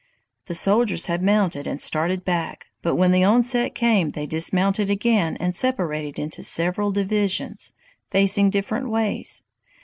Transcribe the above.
"The soldiers had mounted and started back, but when the onset came they dismounted again and separated into several divisions, facing different ways.